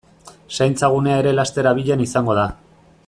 Zaintza gunea ere laster abian izango da.